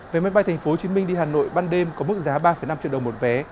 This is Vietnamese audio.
vé máy bay tp hcm đi hà nội ban đêm có mức giá ba năm triệu đồng một vé